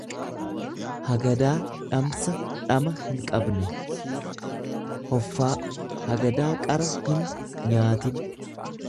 hagadaa dhamsa dhama hinqabne, hoffaa; Hagadaa qara hinnyaatin.